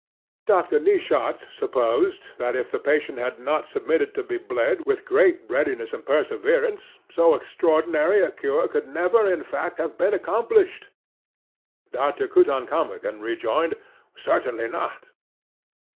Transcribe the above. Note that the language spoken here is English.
'DR. NEESHAWTS supposed, that if the patient had not submitted to be bled with great readiness and perseverance, so extraordinary a cure could never, in fact, have been accomplished. Dr. Kutankumagen rejoined, certainly not.